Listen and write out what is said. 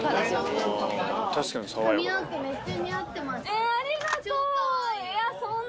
えありがとう！